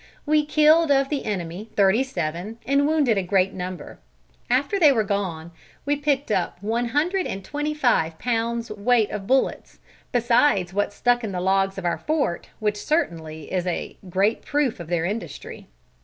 We killed of the enemy thirty seven and wounded a great number. After they were gone we picked up one hundred and twenty five pounds weight of bullets, besides what stuck in the logs of our fort, which certainly is a great proof of their industry."